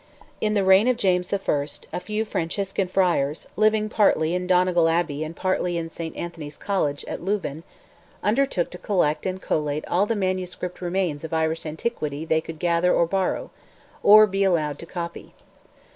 In the reign of James I., a few Franciscan friars, living partly in Donegal Abbey and partly in St. Anthony's College, at Louvain, undertook to collect and collate all the manuscript remains of Irish antiquity they could gather or borrow, or be allowed to copy.